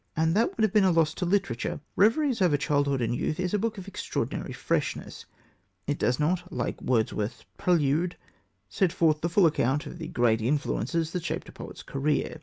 And that would have been a loss to literature. Reveries Over Childhood and Youth is a book of extraordinary freshness. It does not, like Wordsworth's Prelude, set forth the full account of the great influences that shaped a poet's career.